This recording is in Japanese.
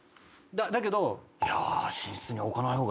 だけど。